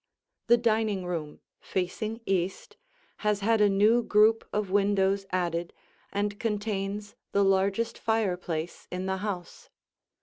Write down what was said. The dining room, facing east, has had a new group of windows added and contains the largest fireplace in the house.